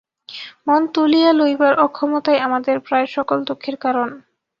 মন তুলিয়া লইবার অক্ষমতাই আমাদের প্রায় সকল দুঃখের কারণ।